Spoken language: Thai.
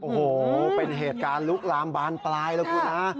โอ้โหเป็นเหตุการณ์ลุกลามบานปลายแล้วคุณฮะ